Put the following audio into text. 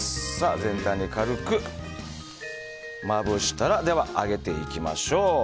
全体に軽くまぶしたら揚げていきましょう。